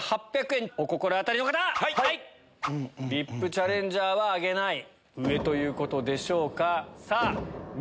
ＶＩＰチャレンジャーは挙げない上ということでしょうか。